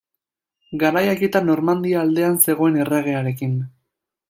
Garai haietan Normandia aldean zegoen erregearekin.